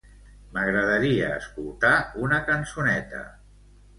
M'agradaria escoltar una cançoneta.